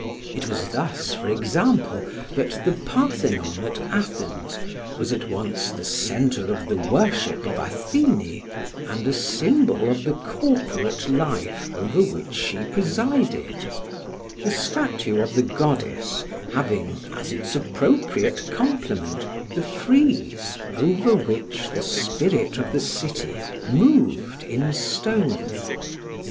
It was thus, for example, that the Parthenon at Athens was at once the centre of the worship of Athene, and a symbol of the corporate life over which she presided; the statue of the goddess having as its appropriate complement the frieze over which the spirit of the city moved in stone.